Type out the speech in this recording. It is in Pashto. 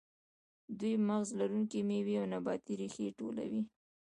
دوی مغز لرونکې میوې او نباتي ریښې ټولولې.